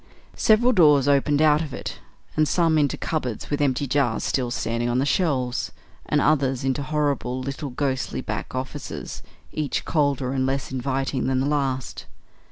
Several doors opened out of it some into cupboards with empty jars still standing on the shelves, and others into horrible little ghostly back offices, each colder and less inviting than the last.